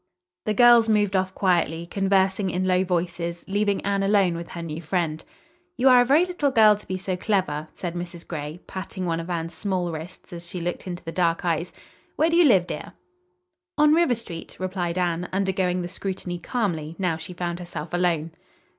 The girls moved off quietly, conversing in low voices, leaving Anne alone with her new friend. "You are a very little girl to be so clever," said Mrs. Gray, patting one of Anne's small wrists as she looked into the dark eyes. "Where do you live, dear?" "On River Street," replied Anne undergoing the scrutiny calmly, now she found herself alone.